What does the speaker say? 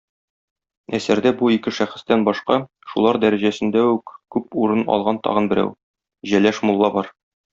Әсәрдә бу ике шәхестән башка, шулар дәрәҗәсендә үк күп урын алган тагын берәү - Җәләш мулла бар.